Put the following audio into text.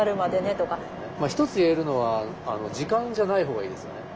一つ言えるのは時間じゃない方がいいですよね。